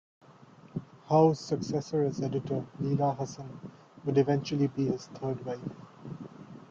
Howe's successor as editor, Leila Hassan, would eventually be his third wife.